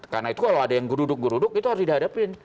karena itu kalau ada yang geruduk geruduk itu harus dihadapi